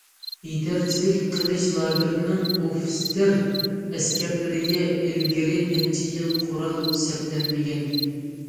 يېتەكچىلىك قىلىش لاگېرىنىڭ ئوفىتسېر- ئەسكەرلىرىگە ئىلگىرى نەچچە يىل قورال سەپلەنمىگەن.